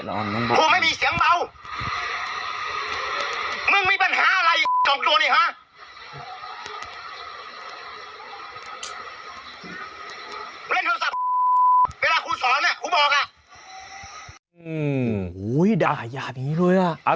โอ้โหด่ายาบอย่างนี้เลยอ่ะ